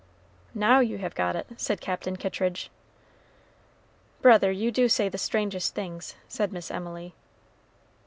"Now you have got it," said Captain Kittridge. "Brother, you do say the strangest things," said Miss Emily.